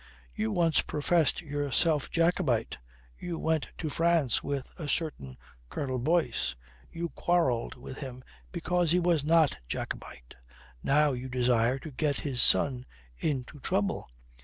"You once professed yourself Jacobite. You went to France with a certain Colonel Boyce. You quarrelled with him because he was not Jacobite. Now you desire to get his son into trouble.